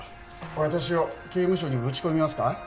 私を刑務所にぶち込みますか？